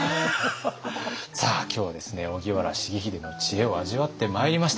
さあ今日はですね荻原重秀の知恵を味わってまいりました。